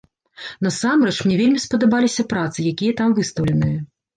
Насамрэч, мне вельмі спадабаліся працы, якія там выстаўленыя.